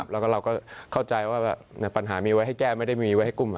แล้วก็เราก็เข้าใจว่าปัญหามีไว้ให้แก้ไม่ได้มีไว้ให้กุ้ม